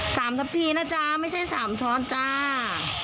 ๓ทะพีนะจ้าไม่ใช่๓ช้อนจ้า